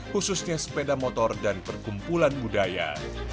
khususnya dari masyarakat yang berasal dari jawa barat